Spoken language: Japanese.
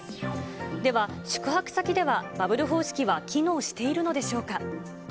では宿泊先ではバブル方式は機能しているのでしょうか。